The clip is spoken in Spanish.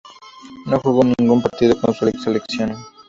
No jugó ningún partido con su selección.